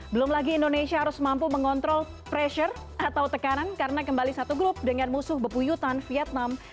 belum lagi indonesia harus mampu mengontrol pressure atau tekanan karena kembali satu grup dengan musuh bepuyutan vietnam